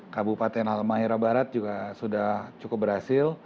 kabupaten almahera barat juga sudah cukup berhasil